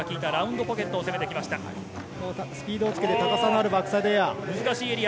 スピードをつけて、高さのあるバックサイドエア。